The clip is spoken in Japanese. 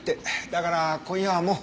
だから今夜はもう。